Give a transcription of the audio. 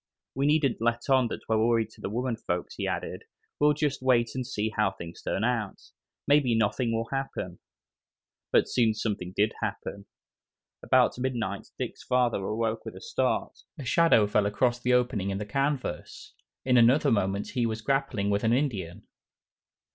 "We needn't let on we're worried to the women folks," he added, "we'll just wait and see how things turn out. Maybe nothing will happen." But something did happen. About midnight Dick's father awoke with a start. A shadow fell across the opening in the canvas. In another moment he was grappling with an Indian.